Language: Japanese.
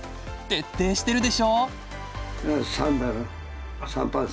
徹底しているでしょ！